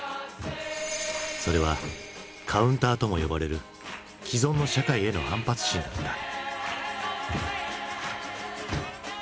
それは「カウンター」とも呼ばれる既存の社会への反発心だった。